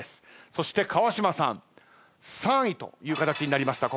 そして川島さん３位という形になりました